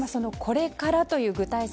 これからという具体策